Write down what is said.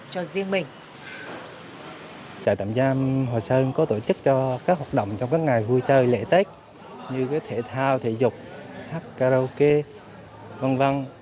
tại trại tạm giam hòa sơn có tổ chức cho các hoạt động trong các ngày vui chơi lễ tết như thể thao thể dục hát karaoke v v